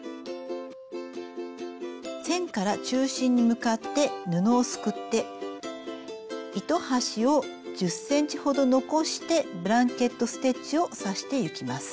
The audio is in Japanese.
線から中心に向かって布をすくって糸端を１０ｃｍほど残してブランケット・ステッチを刺していきます。